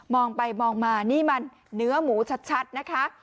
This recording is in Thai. องไปมองมานี่มันเนื้อหมูชัดนะคะ